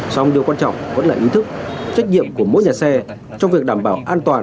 xong điều quan trọng vẫn là ý thức trách nhiệm của mỗi nhà xe trong việc đảm bảo an toàn trên mỗi cung đường